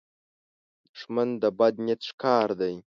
دښمن د بد نیت ښکار دی